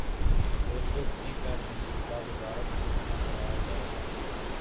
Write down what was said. railway CPEC منصوبہ وزارت میں جمع کرایا جائے گا